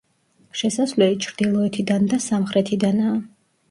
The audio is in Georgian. შესასვლელი ჩრდილოეთიდან და სამხრეთიდანაა.